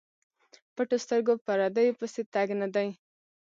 پټو سترګو پردیو پسې تګ نه دی.